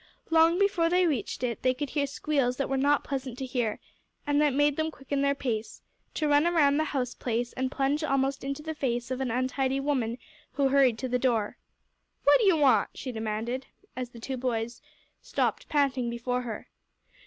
Long before they reached it, they could hear squeals that were not pleasant to hear, and that made them quicken their pace, to run around the house place, and plunge almost into the face of an untidy woman who hurried to the door. "What d'ye want?" she demanded, as the two boys stopped panting before her.